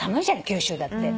九州だって。